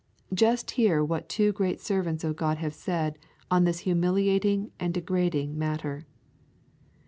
Just hear what two great servants of God have said on this humiliating and degrading matter.